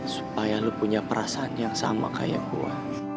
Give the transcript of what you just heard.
supaya lo punya perasaan yang sama kayak gua